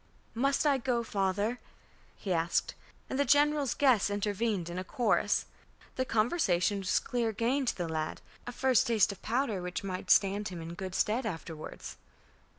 "Must I go, father?" he asked, and the general's guests intervened in a chorus. The conversation was clear gain to the lad, a first taste of powder which might stand him in good stead afterwards.